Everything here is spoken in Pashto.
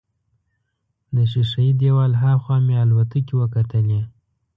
د ښیښه یي دیوال هاخوا مې الوتکې وکتلې.